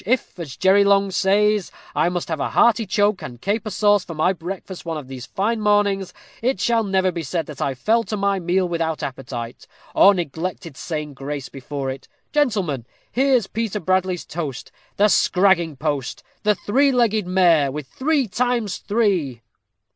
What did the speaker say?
If, as Jerry's song says, I must have a 'hearty choke and caper sauce' for my breakfast one of these fine mornings, it shall never be said that I fell to my meal without appetite, or neglected saying grace before it. Gentlemen, here's Peter Bradley's toast: 'The scragging post the three legged mare,' with three times three."